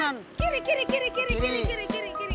wah kiri kiri kiri kiri kiri kiri kiri kiri